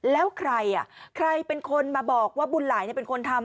แล้วใครอ่ะใครใครเป็นคนมาบอกว่าบุญหลายเป็นคนทำ